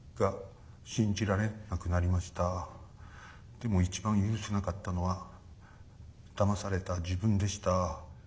でも一番許せなかったのはだまされた自分でした。